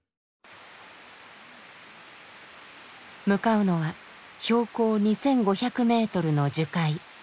向かうのは標高２，５００ｍの樹海。